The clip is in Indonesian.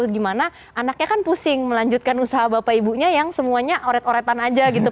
gimana anaknya kan pusing melanjutkan usaha bapak ibunya yang semuanya oret oretan aja gitu